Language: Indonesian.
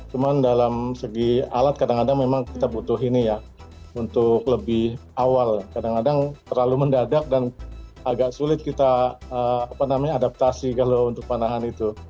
cuman dalam segi alat kadang kadang memang kita butuh ini ya untuk lebih awal kadang kadang terlalu mendadak dan agak sulit kita adaptasi kalau untuk panahan itu